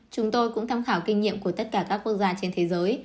chúng tôi cũng tham khảo kinh nghiệm của tất cả các quốc gia trên thế giới